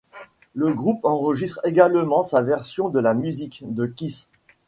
Le groupe enregistre également sa version de la musique ' de Kiss.